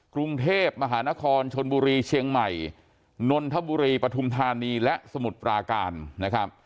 กรุงเทพมหานครชนบุรีเชียงใหม่นนทบุรีปฐุมธานีและสมุทรปราการนะครับ